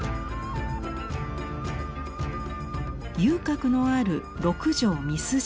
遊郭のある六条三筋町。